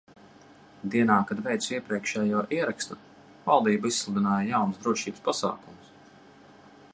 Dienā, kad veicu iepriekšējo ierakstu, valdība izsludināja jaunus drošības pasākumus.